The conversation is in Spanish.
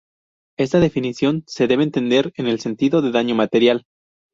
Esta definición se debe entender en el sentido de daño material.